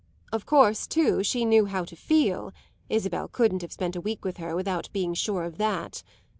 Of course, too, she knew how to feel; Isabel couldn't have spent a week with her without being sure of that.